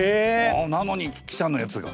なのに記者のやつが。